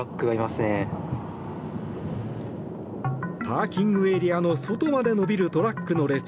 パーキングエリアの外まで伸びるトラックの列。